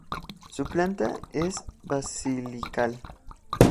Su planta es basilical.